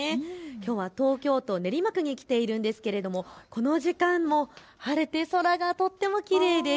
きょうは東京都練馬区に来ているんですけれどもこの時間も晴れて空がとてもきれいです。